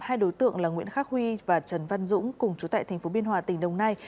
hai đối tượng là nguyễn khắc huy và trần văn dũng cùng chú tại tp biên hòa tỉnh đồng nai